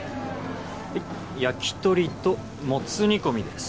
はい焼き鳥ともつ煮込みです